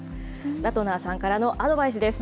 ラトナーさんからのアドバイスです。